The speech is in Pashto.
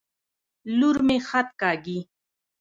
لور مي خط کاږي.